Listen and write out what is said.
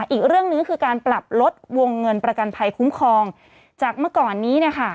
อีกเรื่องหนึ่งคือการปรับลดวงเงินประกันภัยคุ้มครองจากเมื่อก่อนนี้เนี่ยค่ะ